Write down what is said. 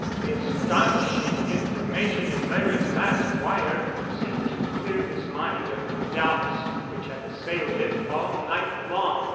The astonishing information in Larry's last wire seemed to clear his mind of the doubts which had assailed it all night long.